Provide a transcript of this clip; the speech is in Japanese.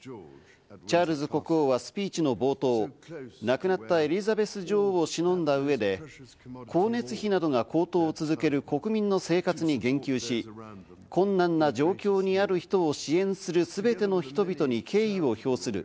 チャールズ国王はスピーチの冒頭、亡くなったエリザベス女王を偲んだ上で光熱費などが高騰を続ける国民の生活に言及し、困難な状況にある人を支援するすべての人々に敬意を表する。